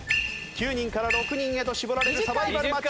９人から６人へと絞られるサバイバルマッチ。